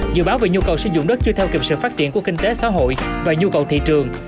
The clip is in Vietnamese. dự báo về nhu cầu sử dụng đất chưa theo kịp sự phát triển của kinh tế xã hội và nhu cầu thị trường